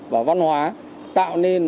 và văn hóa tạo nên